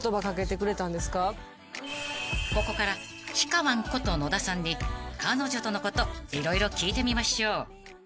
［ここからひかワンこと野田さんに彼女とのこと色々聞いてみましょう］